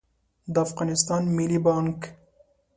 د افغانستان ملي بانګ